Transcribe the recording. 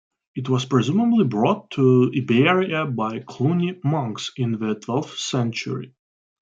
It was presumably brought to Iberia by Cluny monks in the twelfth century.